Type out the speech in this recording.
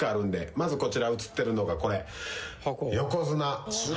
まずこちら映ってるのがこれ。